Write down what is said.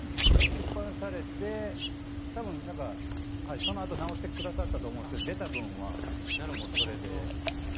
出版されて多分、そのあと直してくださったと思うんですが出た分は、それで。